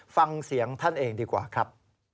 ฟังเสียงท่านเองดีกว่าครับ